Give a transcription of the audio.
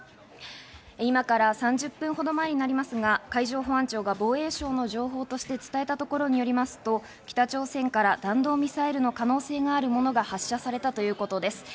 今から３０分ほど前になりますが、海上保安庁が防衛省の情報として伝えたところによりますと、北朝鮮から弾道ミサイルの可能性があるものが発射されたということです。